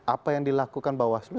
apa yang dilakukan bawaslu